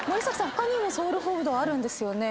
他にもソウルフードあるんですよね？